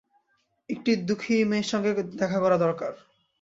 একটি দুখি মেয়ের সঙ্গে দেখা কড়া দরকার।